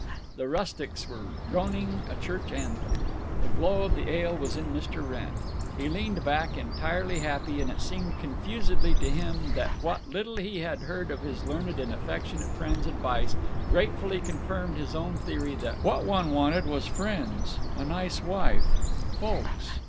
The rustics were droning a church anthem. The glow of the ale was in Mr. Wrenn. He leaned back, entirely happy, and it seemed confusedly to him that what little he had heard of his learned and affectionate friend's advice gratefully confirmed his own theory that what one wanted was friends—a "nice wife"—folks.